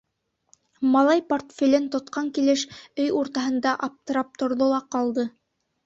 Малай портфелен тотҡан килеш өй уртаһында аптырап торҙо ла ҡалды.